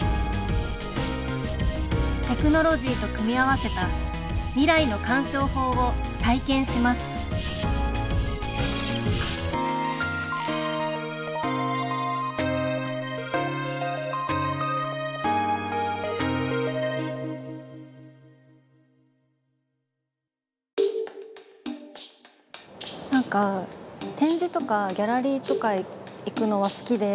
テクノロジーと組み合わせた未来の鑑賞法を体験しますなんか、展示とかギャラリーとか行くのは好きで。